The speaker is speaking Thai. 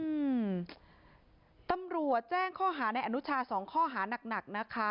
อืมตำรวจแจ้งข้อหานายอนุชาสองข้อหานักนะคะ